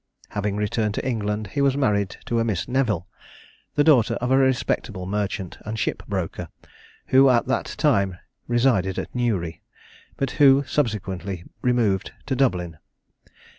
Having returned to England, he was married to a Miss Nevill, the daughter of a respectable merchant and ship broker, who at that time resided at Newry, but who subsequently removed to Dublin.